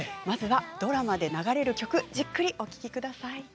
まずはドラマで流れる曲をじっくりお聴きください。